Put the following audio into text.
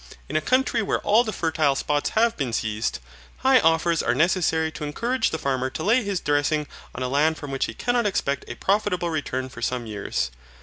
In a country where all the fertile spots have been seized, high offers are necessary to encourage the farmer to lay his dressing on land from which he cannot expect a profitable return for some years.